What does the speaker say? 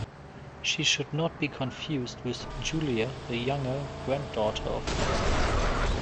She should not be confused with Julia the Younger, granddaughter of Augustus.